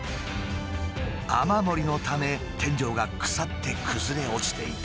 雨漏りのため天井が腐って崩れ落ちていた。